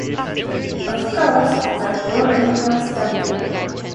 Of course the blue uniform struck you.